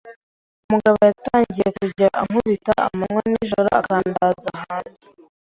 umugabo yatangiye kujya ankubita amanywa n’ijoro akandaza hanze,